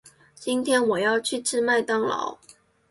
今天我要去吃麦当劳。